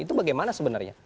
itu bagaimana sebenarnya